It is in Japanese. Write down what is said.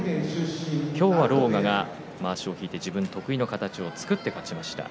今日は狼雅がまわしを引いて自分得意の形を作って勝ちました。